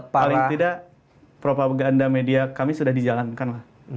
paling tidak propaganda media kami sudah dijalankan lah